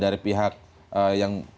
dari pihak yang